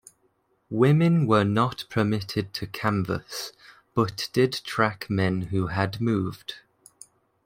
Women were not permitted to canvas but did track men who had moved.